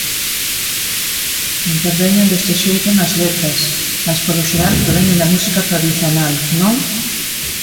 Interveñen deste xeito nas letras, mais polo xeral proveñen da música tradicional, non?